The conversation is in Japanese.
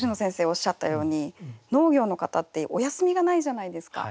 おっしゃったように農業の方ってお休みがないじゃないですか。